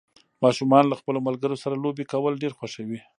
ماشومان له خپلو ملګرو سره لوبې کول ډېر خوښوي